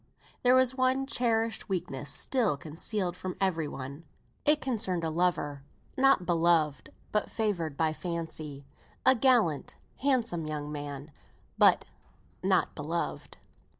There was one cherished weakness still concealed from every one. It concerned a lover, not beloved, but favoured by fancy. A gallant, handsome young man; but not beloved.